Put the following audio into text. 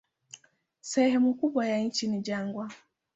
Sehemu kubwa ya nchi ni jangwa.